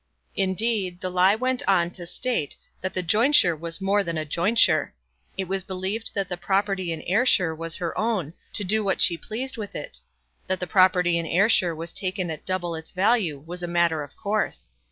Indeed, the lie went on to state that the jointure was more than a jointure. It was believed that the property in Ayrshire was her own, to do what she pleased with it. That the property in Ayrshire was taken at double its value was a matter of course.